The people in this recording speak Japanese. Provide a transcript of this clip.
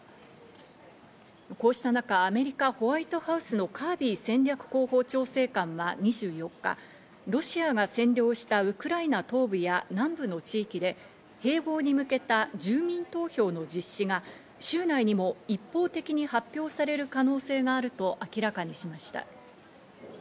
こうした中、アメリカ・ホワイトハウスのカービー戦略広報調整官は２４日、ロシアが占領したウクライナ東部や南部の地域で併合に向けた住民投票の実施が週内にも一方的に発表される可能性があると明らかにしました。